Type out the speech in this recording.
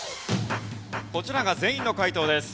こちらが全員の解答です。